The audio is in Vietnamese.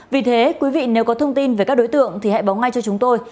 vì thế quý vị nếu có thông tin về các đối tượng thì hãy báo ngay cho chúng tôi